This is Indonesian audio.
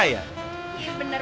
iya bener banget